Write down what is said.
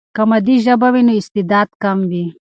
که مادي ژبه وي، نو استعداد کم وي.